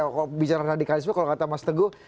kalau bicara radikalisme kalau kata mas teguh